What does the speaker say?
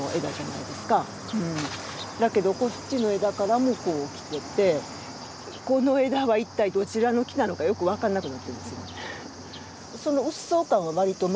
だけどこっちの枝からもこう来ててこの枝は一体どちらの木なのかよく分かんなくなってんですよ。